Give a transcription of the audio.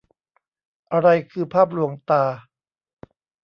อะไรคือภาพลวงตา